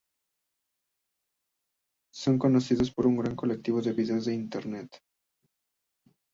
Son conocidos por su gran colección de vídeos en Internet.